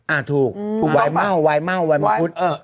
อ่าถูกถูกวายเม่าวายเม่าวายมังคุด